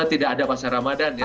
tidak ada pasar ramadan ya